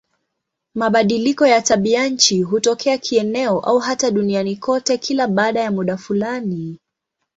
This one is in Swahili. Mabadiliko ya tabianchi hutokea kieneo au hata duniani kote kila baada ya muda fulani.